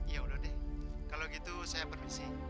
ya udah deh kalau gitu saya bersih